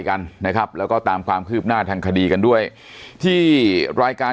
กันนะครับแล้วก็ตามความคืบหน้าทางคดีกันด้วยที่รายการ